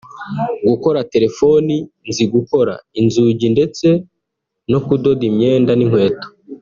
gukora telefoni nzi gukora inzugi ndetse no kudoda imyenda n’inkweto